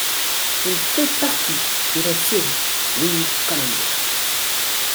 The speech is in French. Il fait partie de la série Wing Commander.